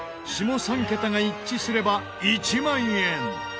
下３桁が一致すれば１万円。